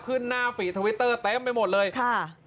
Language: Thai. หน้าฝีทวิตเตอร์เต็มไปหมดเลยค่ะ